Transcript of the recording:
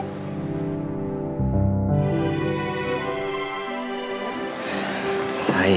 serius owego ini instan namanya